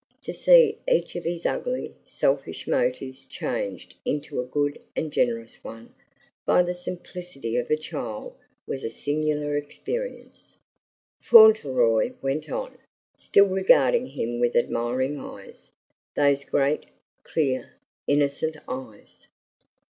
To see each of his ugly, selfish motives changed into a good and generous one by the simplicity of a child was a singular experience. Fauntleroy went on, still regarding him with admiring eyes those great, clear, innocent eyes!